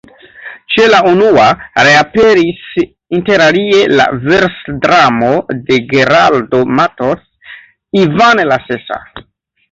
Ĉe la unua reaperis interalie la versdramo de Geraldo Mattos, Ivan la Sesa.